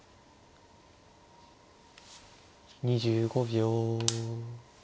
２５秒。